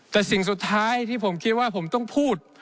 แต่สิ่งสุดท้ายที่ผมคิดว่าผมต้องพูด